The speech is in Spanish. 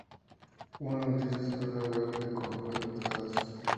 Una noticia sobre la web de compra de entradas